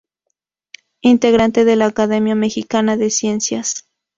Integrante de la Academia Mexicana de Ciencias.